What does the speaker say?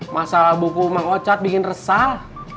masa buku mang ocat bikin resah